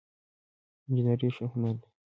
انجينري ښه هنر دی